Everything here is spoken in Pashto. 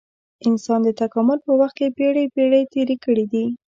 انسان د تکامل په وخت کې پېړۍ پېړۍ تېرې کړې دي.